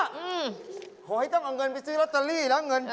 ขอให้ต้องเอาเงินไปซื้อลอตเตอรี่แล้วเงิน